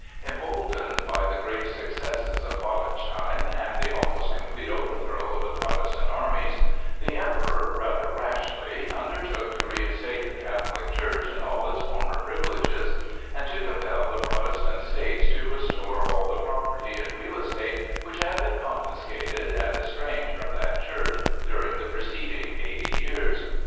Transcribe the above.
Emboldened by the great successes of Wallenstein and the almost complete overthrow of the Protestant armies, the Emperor rather rashly undertook to reinstate the Catholic Church in all its former privileges and to compel the Protestant states to restore all the property and real estate which had been confiscated and estranged from that church during the preceding eighty years.